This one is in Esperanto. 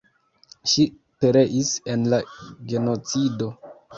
Ŝi pereis en la genocido.